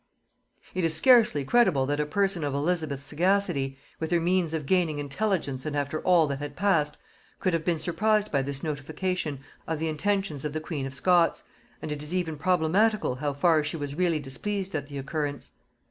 It is scarcely credible that a person of Elizabeth's sagacity, with her means of gaining intelligence and after all that had passed, could have been surprised by this notification of the intentions of the queen of Scots, and it is even problematical how far she was really displeased at the occurrence.